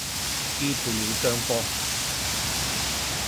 支配了雙方